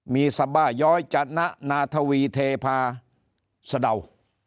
มีสบาย้อยจันนาทวีเทพาสะเดา